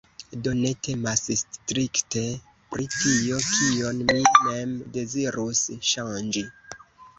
Do ne temas strikte pri tio, kion mi mem dezirus ŝanĝi.